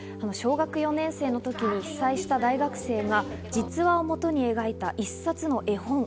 小学４年生の時に被災した大学生が実話を元に描いた１冊の絵本。